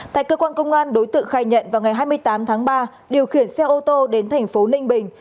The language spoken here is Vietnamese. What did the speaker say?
tại cơ quan công an đối tượng khai nhận vào ngày hai mươi tám tháng ba điều khiển xe ô tô đến thành phố ninh bình